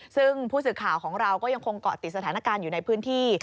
ซึ่งผู้สื่อข่าวของเราก็ยังคงเกาะติดสถานการณ์อยู่ในพื้นที่